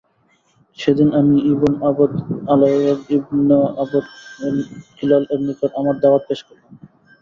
সেদিন আমি Ibn Abd য়ালাল ইবন আবদ কিলাল-এর নিকট আমার দাওয়াত পেশ করলাম।